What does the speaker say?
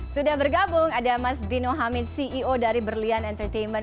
sudah bergabung ada mas dino hamid ceo dari berlian entertainment